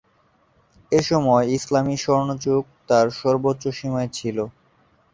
এসময় ইসলামি স্বর্ণযুগ তার সর্বোচ্চ সীমায় ছিল।